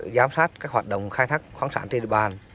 giám sát các hoạt động khai thác khoáng sản trên địa bàn